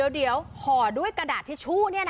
เดี๋ยวห่อด้วยกระดาษทิชชู่